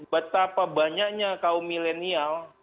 betapa banyaknya kaum milenial